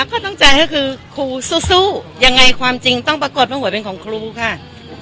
ข้อตั้งใจก็คือครูสู้ยังไงความจริงต้องปรากฏว่าหวยเป็นของครูค่ะ